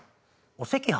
お赤飯？